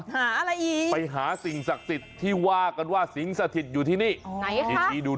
หาอะไรก็จะหาสิ่งศักดิ์ที่หว่ากันว่าสิงศักดิ์สุทธิ์อยู่ที่นี่อาวุธมโยธดูดูกัน